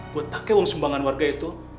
buat pakai uang sumbangan warga itu